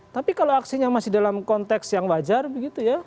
tapi kalau aksinya masih dalam konteks yang wajar begitu ya